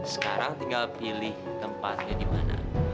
sekarang tinggal pilih tempatnya dimana